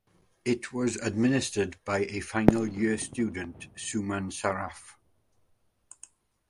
It was administered by a final year student Suman Saraf.